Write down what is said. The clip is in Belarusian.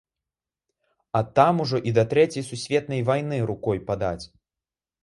А там ужо і да трэцяй сусветнай вайны рукой падаць.